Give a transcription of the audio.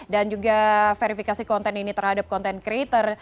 dan juga verifikasi konten ini terhadap content creator